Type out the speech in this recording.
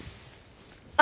あ！